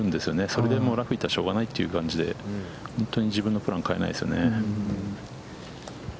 それでラフに行ったらもうしょうがないという感じで、本当に自分のプラン変えないですよね。